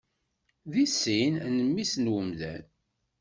D tisin n Mmi-s n umdan.